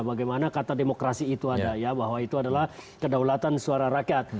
bagaimana kata demokrasi itu ada ya bahwa itu adalah kedaulatan suara rakyat